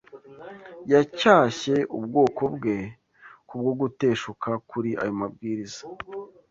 yacyashye ubwoko bwe kubwo guteshuka kuri ayo mabwiriza.